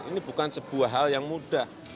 ini bukan sebuah hal yang mudah